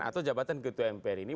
atau jabatan ketua mpr ini